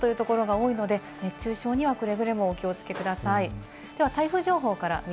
きょう２５度以上というところが多いので、熱中症にはくれぐれもお気をつけください。